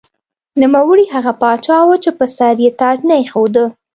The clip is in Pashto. نوموړی هغه پاچا و چې پر سر یې تاج نه ایښوده.